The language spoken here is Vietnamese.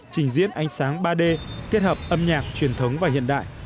trình diễn ánh sáng ba d kết hợp âm nhạc truyền thống và hiện đại